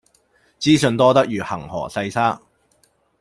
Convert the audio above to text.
資訊多得如恆河細沙